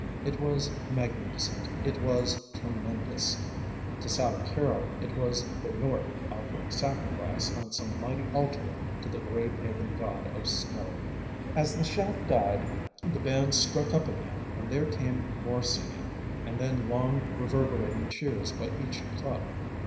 It was magnificent, it was tremendous! To Sally Carol it was the North offering sacrifice on some mighty altar to the gray pagan God of Snow. As the shout died the band struck up again and there came more singing, and then long reverberating cheers by each club.